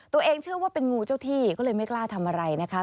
ตัวเองเชื่อว่าเป็นงูเจ้าที่ก็เลยไม่กล้าทำอะไรนะคะ